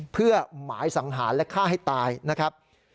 เพื่อหมายสังหารและฆ่าให้ตายนะครับ